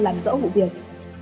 làm rõ vụ việc